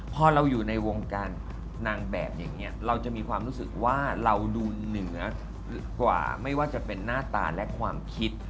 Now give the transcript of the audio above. พอเราอยู่ในวงการนางแบบอย่างนี้เราจะมีความรู้สึกว่าเราดูเหนือกว่าไม่ว่าจะเป็นหน้าตาและความคิด